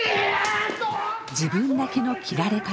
自分だけの斬られ方